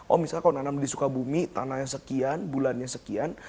oh misalnya kalau nanam di sukabumi tanahnya sekian bulannya sekian